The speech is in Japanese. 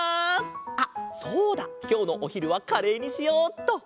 あっそうだきょうのおひるはカレーにしようっと。